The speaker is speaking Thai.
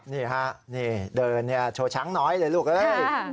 นี่ค่ะเดินโชว์ช้างน้อยเลยลูกเลย